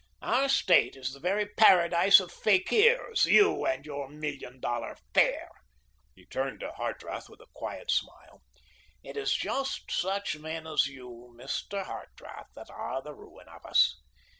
Our State is the very paradise of fakirs. You and your Million Dollar Fair!" He turned to Hartrath with a quiet smile. "It is just such men as you, Mr. Hartrath, that are the ruin of us.